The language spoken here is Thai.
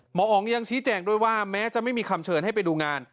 หมออ๋องยังชี้แจงด้วยว่าแม้จะไม่มีคำเชิญให้ไปดูงาน